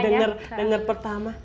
dari dengar pertama